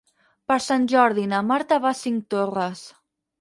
Per Sant Jordi na Marta va a Cinctorres.